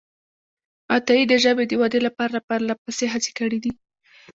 عطایي د ژبې د ودې لپاره پرلهپسې هڅې کړې دي.